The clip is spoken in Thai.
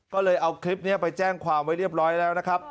ก็เลยเอาคลิปนี้ไปแจ้งความไว้เรียบร้อยแล้วนะครับ